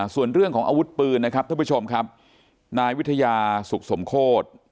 ส่วนเรื่องของอาวุธปืนนะครับท่านผู้ชมครับนายวิทยาสุขสมโคตร